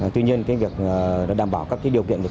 tuy nhiên cái việc đảm bảo các cái điều kiện